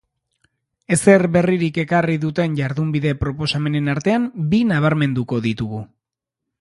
Ezer berririk ekarri duten jardunbide proposamenen artean bi nabarmenduko ditugu.